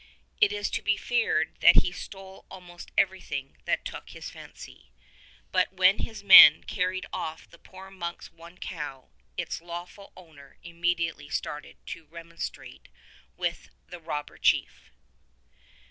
It is to be feared that he stole almost everything that took his fancy; but when his men carried off the poor monk's one cow its lawful owner immediately started to remonstrate with the robber chief.